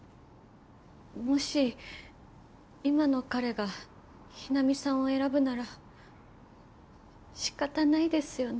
もし今の彼が日菜美さんを選ぶなら仕方ないですよね。